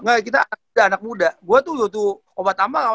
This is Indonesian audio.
gak kita udah anak muda gue tuh udah tuh obat amal amal